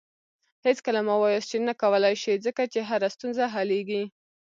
هېڅکله مه وایاست چې نه کولی شې، ځکه چې هره ستونزه حلیږي.